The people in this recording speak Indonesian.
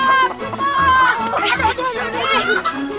aduh aduh aduh